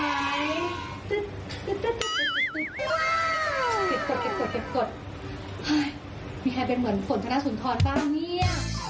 ว้าวมีใครเป็นเหมือนฝนธนสุนทรป้าบ้างเนี้ย